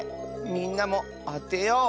みんなもあてよう！